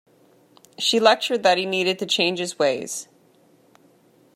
She lectured that he needed to change his ways.